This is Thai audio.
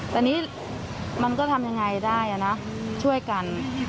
แต่นี่มันก็ทำยังไงได้นะช่วยกัน